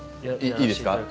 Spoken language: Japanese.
いいですか？